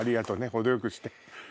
程よくして。